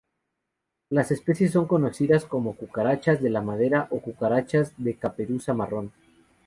Las especies son conocidas como cucarachas de la madera o cucarachas de caperuza marrón.